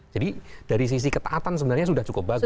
jadi dari sisi ketaatan sebenarnya sudah cukup bagus